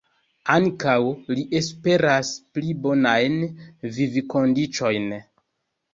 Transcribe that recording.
Ankaŭ li esperas pli bonajn vivkondiĉojn.